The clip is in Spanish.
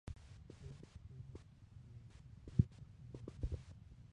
Toi fue diagnosticado con cáncer de pulmón.